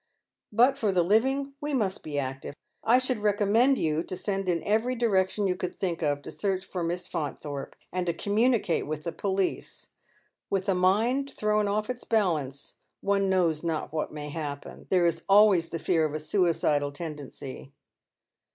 But for the living we must be active. I should recommend you to send in every direction you can think of to search for Miss Faunthorpe, and to communicate with the police. With a mind thrown off its balance, one knows not what may happen. There is always the fear of a suicidal tendency."